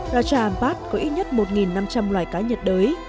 raja ampat có ít nhất một năm trăm linh loài cá nhật đới